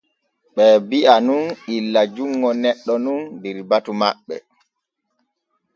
Ɓee bi’a nun illa junŋo neɗɗo nun der batu maɓɓe.